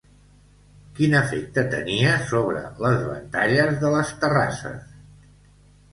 Quin efecte tenia sobre les ventalles de les terrasses?